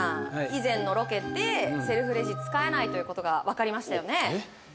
以前のロケでセルフレジ使えないということがわかりましたよね